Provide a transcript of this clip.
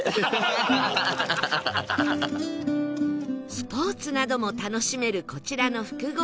スポーツなども楽しめるこちらの複合施設